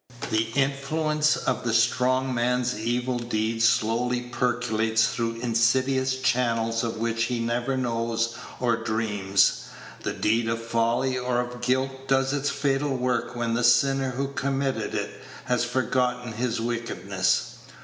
The influence of the strong man's evil deed slowly percolates through insidious channels of which he never knows or dreams. The deed of folly or of guilt does its fatal work when the sinner who committed it has forgotten his wickedness.